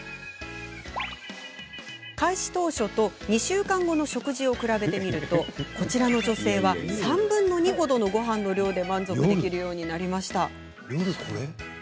開始当初と２週間後の食事を比べてみるとこちらの女性は３分の２ほどのごはんの量で満足できるようになりました。